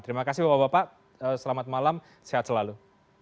terima kasih bapak bapak selamat malam sehat selalu